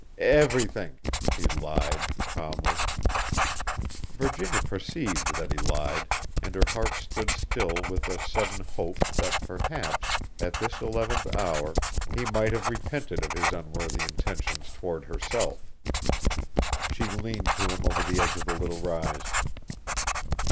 "Everything," he lied, calmly. Virginia perceived that he lied, and her heart stood still with a sudden hope that perhaps, at this eleventh hour, he might have repented of his unworthy intentions toward herself. She leaned to him over the edge of the little rise.